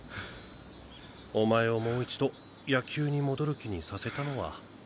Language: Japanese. お前をもう一度野球に戻る気にさせたのは。